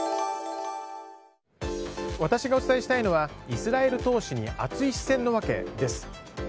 私がお伝えしたいのはイスラエル投資に熱い視線の訳です。